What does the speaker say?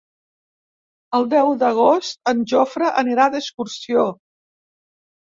El deu d'agost en Jofre anirà d'excursió.